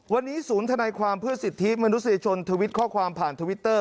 วันนี้ศูนย์ธนายความเพื่อสิทธิมนุษยชนทวิตข้อความผ่านทวิตเตอร์